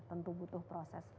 tentu butuh proses